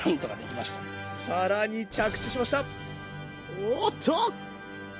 おっと！